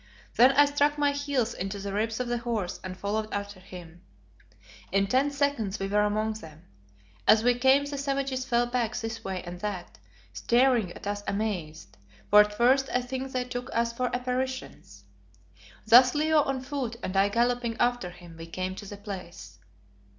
Then I struck my heels into the ribs of the horse and followed after him. In ten seconds we were among them. As we came the savages fell back this way and that, staring at us amazed, for at first I think they took us for apparitions. Thus Leo on foot and I galloping after him, we came to the place.